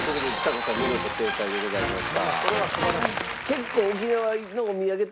結構。